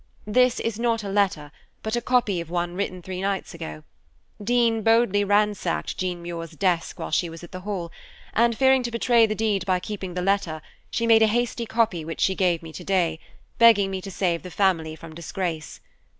"This is not a letter, but a copy of one written three nights ago. Dean boldly ransacked Jean Muir's desk while she was at the Hall, and, fearing to betray the deed by keeping the letter, she made a hasty copy which she gave me today, begging me to save the family from disgrace.